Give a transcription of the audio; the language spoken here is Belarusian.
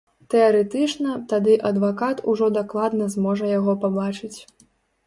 Тэарэтычна, тады адвакат ужо дакладна зможа яго пабачыць.